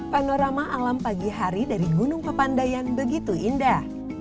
panorama alam pagi hari dari gunung pepandayan begitu indah